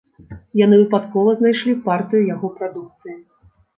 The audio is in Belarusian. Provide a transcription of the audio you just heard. Яны выпадкова знайшлі партыю яго прадукцыі.